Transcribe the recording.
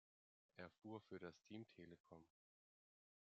Er fuhr für das Team Telekom.